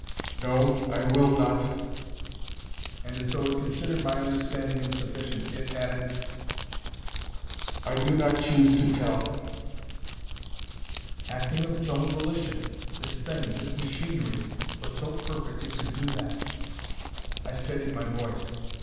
"No, I will not." And, as though it considered my understanding insufficient, it added, "I do not choose to tell." Acting of its own volition! This thing this machinery was so perfect it could do that! I steadied my voice.